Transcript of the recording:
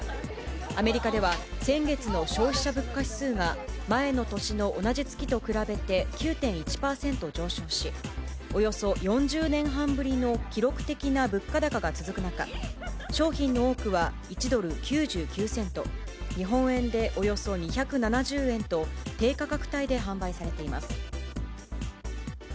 アメリカでは先月の消費者物価指数が、前の年の同じ月と比べて９．１％上昇し、およそ４０年半ぶりの記録的な物価高が続く中、商品の多くは１ドル９９セント、日本円でおよそ２７０円と、低価格帯で販売されています。